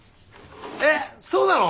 えっそうなの？